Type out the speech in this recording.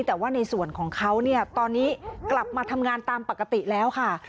แต่ว่าในส่วนของเขาเนี่ยตอนนี้กลับมาทำงานตามปกติแล้วค่ะ